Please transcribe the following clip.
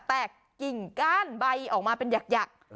กิ่งก้านใบออกมาเป็นหยัก